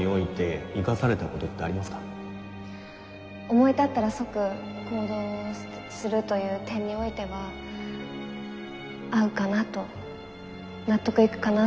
思い立ったら即行動をするという点においては合うかなと納得いくかなとおも思い思います。